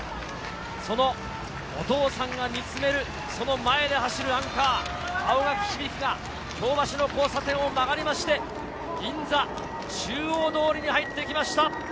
そのお父さんが見つめる前で走るアンカー・青柿響が京橋の交差点を曲がって銀座中央通りに入ってきました。